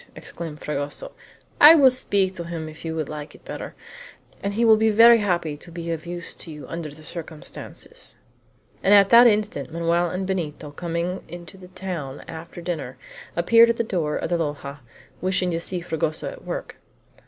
exclaimed Fragoso; "I will speak to him if you would like it better, and he will be very happy to be of use to you under the circumstances." And at that instant Manoel and Benito, coming into the town after dinner, appeared at the door of the loja, wishing to see Fragoso at work.